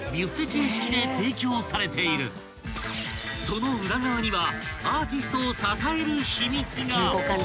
［その裏側には］